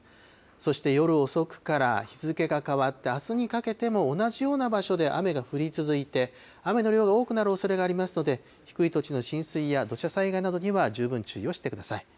そして夜遅くから日付が変わってあすにかけても同じような場所で雨が降り続いて、雨の量が多くなるおそれがありますので、低い土地の浸水や土砂災害などには十分注意をしてください。